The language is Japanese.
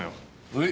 はい。